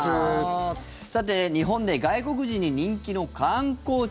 さて日本で外国人に人気の観光地。